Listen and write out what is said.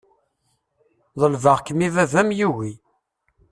Ḍelbeɣ-kem i baba-m yugi.